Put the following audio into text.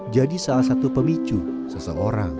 jadi salah satu pemicu seseorang